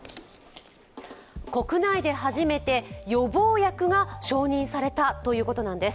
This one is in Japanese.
国内で初めて予防薬が承認されたということなんです。